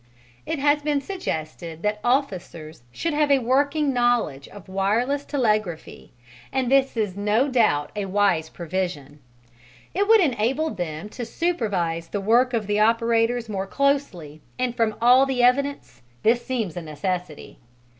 It has been suggested that officers should have a working knowledge of wireless telegraphy, and this is no doubt a wise provision. It would enable them to supervise the work of the operators more closely and from all the evidence, this seems a necessity.